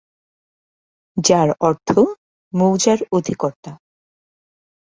যার অর্থ মৌজার অধিকর্তা।